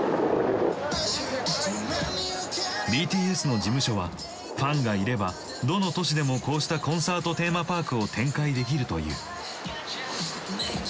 ＢＴＳの事務所はファンがいればどの都市でもこうしたコンサート・テーマパークを展開できると言う。